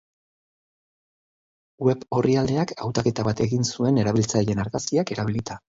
Web orrialdeak hautaketa bat egin zuen erabiltzaileen argazkiak erabilita.